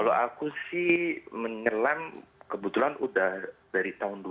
kalau aku sih menyelam kebetulan udah dari tahun dua ribu